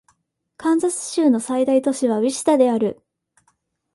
カンザス州の最大都市はウィチタである